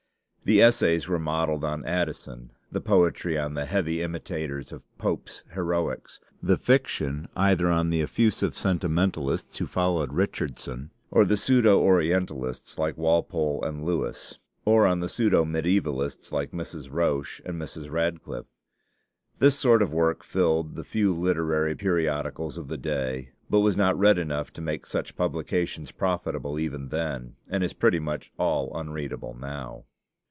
The essays were modeled on Addison; the poetry on the heavy imitators of Pope's heroics; the fiction either on the effusive sentimentalists who followed Richardson, or on the pseudo Orientalists like Walpole and Lewis, or on the pseudo mediævalists like Mrs. Roche and Mrs. Radcliffe. This sort of work filled the few literary periodicals of the day, but was not read enough to make such publications profitable even then, and is pretty much all unreadable now.